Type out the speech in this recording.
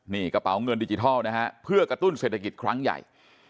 นี่กระเป๋าเงินดิจิทัลนะฮะเพื่อกระตุ้นเศรษฐกิจครั้งใหญ่